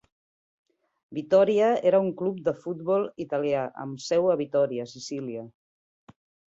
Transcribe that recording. Vittoria era un club de futbol italià, amb seu a Vittoria, Sicília.